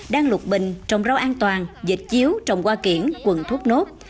đăng lục bình trồng rau an toàn dịch chiếu trồng qua kiển quận thuốc nốt